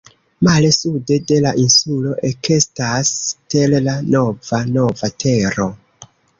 Male, sude de la insulo ekestas terra nova, nova tero.